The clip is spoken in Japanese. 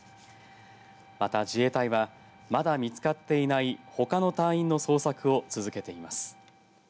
また自衛隊はまだ見つかっていないほかの隊員の捜索を続けています。